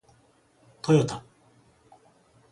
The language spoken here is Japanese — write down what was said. トヨタ